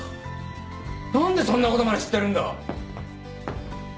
何でそんなことまで知ってるんだ。